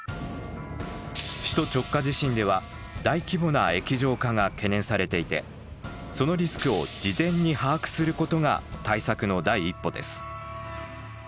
首都直下地震では大規模な液状化が懸念されていてそのリスクを事前に把握することが対策の第一歩です。